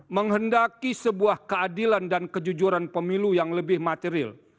menghendaki sebuah keadilan dan kejujuran pemilu yang lebih material